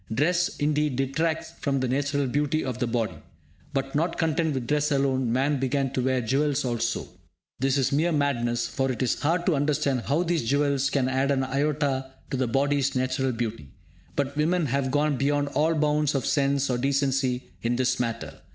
Dress, indeed, detracts from the natural beauty of the body. But, not content with dress alone, man began to wear jewels also. This is mere madness, for it is hard to understand how these jewels can add an iota to the body's natural beauty. But women have gone beyond all bounds of sense or decency in this matter.